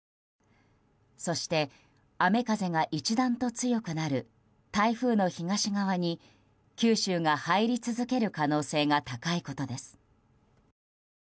そして、雨風が一段と強くなる台風の東側に九州が入り続ける可能性が高いことです。